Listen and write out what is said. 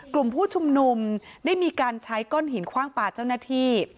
กลุ่มผู้ชุมนุมได้มีการใช้ก้อนหินคว่างปลาเจ้าหน้าที่